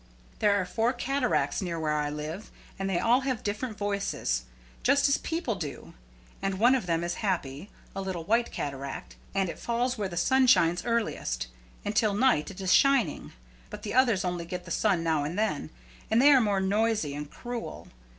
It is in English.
There are four cataracts near where I live, and they all have different voices, just as people do; and one of them is happy a little white cataract and it falls where the sun shines earliest, and till night it is shining. But the others only get the sun now and then, and they are more noisy and cruel.